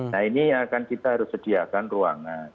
nah ini akan kita harus sediakan ruangan